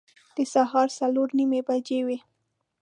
د سهار څلور نیمې بجې وې.